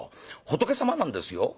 仏様なんですよ」。